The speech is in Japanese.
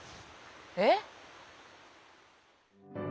「え？」。